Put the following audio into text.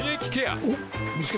おっ見つけた。